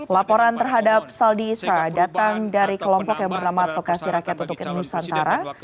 laporan terhadap saldi isra datang dari kelompok yang bernama advokasi rakyat tutup kedengus antara